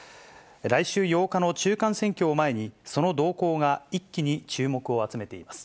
来週８日の中間選挙を前に、その動向が一気に注目を集めています。